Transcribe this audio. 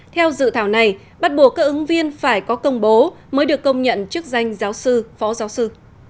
theo dự thảo này bắt buộc các ứng viên phải có công bố mới được công nhận chức danh giáo sư phó giáo sư